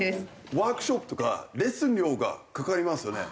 ワークショップとかレッスン料がかかりますよね。